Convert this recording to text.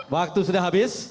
waktu sudah habis